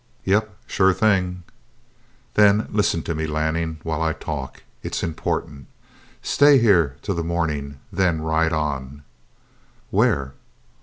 "Yep. Sure thing." "Then listen to me, Lanning, while I talk. It's important. Stay here till the morning, then ride on." "Where?"